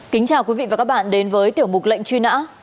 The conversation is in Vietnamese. kính chào quý vị và các bạn đến với tiểu mục lệnh truy nã